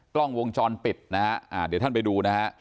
กล้องวงจรปิดนะฮะเดี๋ยวท่านไปดูนะฮะ